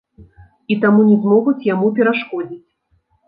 І таму не змогуць яму перашкодзіць.